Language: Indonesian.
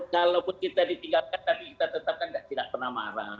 kalaupun kita ditinggalkan tapi kita tetapkan tidak pernah marah